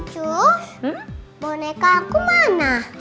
cus boneka aku mana